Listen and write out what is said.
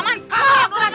kamu yang gerak gerakan